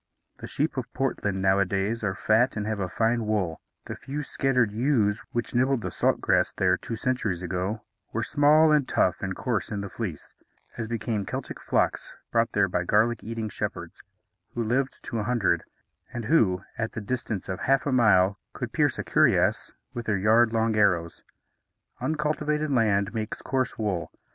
The sheep of Portland, nowadays, are fat and have fine wool; the few scattered ewes, which nibbled the salt grass there two centuries ago, were small and tough and coarse in the fleece, as became Celtic flocks brought there by garlic eating shepherds, who lived to a hundred, and who, at the distance of half a mile, could pierce a cuirass with their yard long arrows. Uncultivated land makes coarse wool.